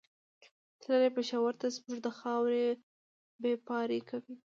تللی پېښور ته زموږ د خاورې بېپاري کوي